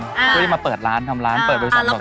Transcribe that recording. เพื่อที่จะมาเปิดร้านทำร้านเปิดบริษัทต่อตัวเอง